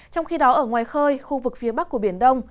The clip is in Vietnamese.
trong khi đó ở ngoài khơi khu vực phía bắc của biển đông